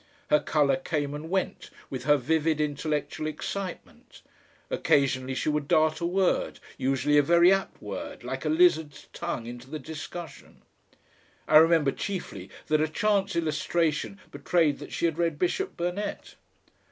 Her colour came and went with her vivid intellectual excitement; occasionally she would dart a word, usually a very apt word, like a lizard's tongue into the discussion. I remember chiefly that a chance illustration betrayed that she had read Bishop Burnet....